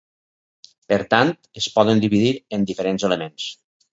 Per tant, es poden dividir en diferents elements.